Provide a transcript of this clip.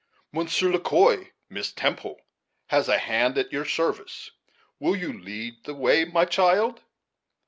Monsieur Le Quoi, Miss Temple has a hand at your service. Will you lead the way, my child?"